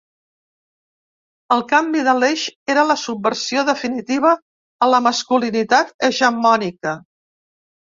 El canvi d'Aleix era la subversió definitiva a la masculinitat hegemònica.